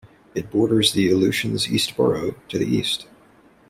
It borders the Aleutians East Borough to the east.